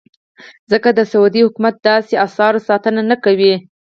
ځکه د سعودي حکومت داسې اثارو ساتنه نه کوي.